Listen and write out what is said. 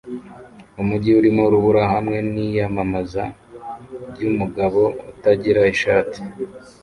Umujyi urimo urubura hamwe niyamamaza ryumugabo utagira ishati